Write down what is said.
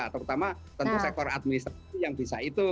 terutama tentu sektor administrasi yang bisa itu